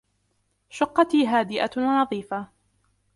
شقتي هادئة ونظيفة.